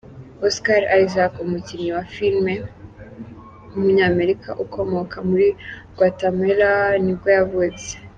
Oscar Isaac, umukinnyi wa filime w’umunyamerika ukomoka muri Guatemala nibwo yavutse.